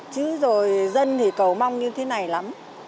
chứ rồi dân thì cầu mong như thế này lắm